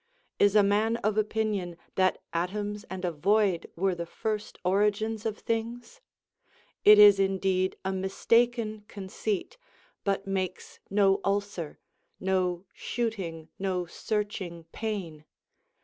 Is a man of opinion that atoms and a void were the first origins of things 1 It is indeed a mistaken conceit, but makes no ulcer, no shooting, no searching pain.